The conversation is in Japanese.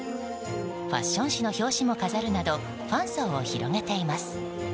ファッション誌の表紙も飾るなどファン層を広げています。